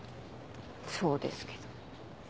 そうですけど。